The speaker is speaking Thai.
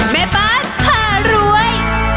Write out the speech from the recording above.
แม่บ้านผ่ารวย